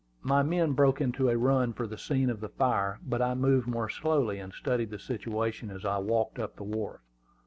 My men broke into a run for the scene of the fire; but I moved more slowly, and studied the situation as I walked up the wharf.